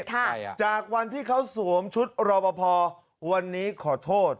ใครอ่ะจากวันที่เขาสวมชุดรอปภวันนี้ขอโทษ